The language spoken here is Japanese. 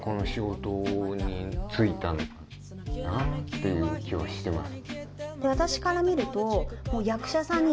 ていう気はしてます。